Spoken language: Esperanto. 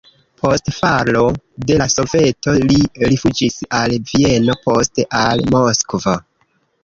Post falo de la Soveto li rifuĝis al Vieno, poste al Moskvo.